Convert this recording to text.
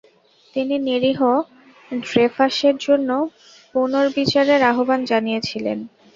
তিনি নিরীহ ড্রেফাসের জন্য পুনর্বিচারের আহ্বান জানিয়েছিলেন।